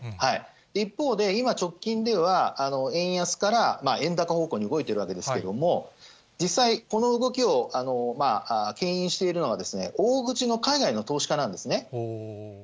一方で今、直近では、円安から円高方向に動いてるわけですけども、実際、この動きをけん引しているのは、大口の海外の投資家なんですね。